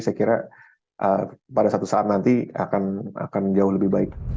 saya kira pada satu saat nanti akan jauh lebih baik